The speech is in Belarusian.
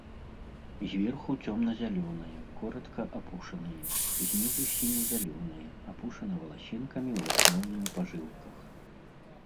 Зверху цёмна-зялёнае, коратка апушанае, знізу сіне-зялёнае, апушана валасінкамі ў асноўным па жылках.